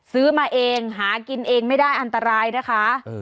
ซื้อมาเองหากินเองไม่ได้อันตรายนะคะ